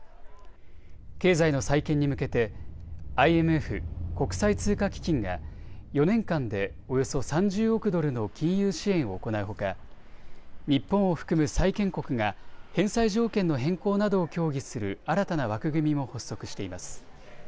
経済の再建に向けてＩＭＦ・国際通貨基金が４年間でおよそ３０億ドルの金融支援を行うほか日本を含む債権国が返済条件の変更などを協議する新たな枠組みも発足しています。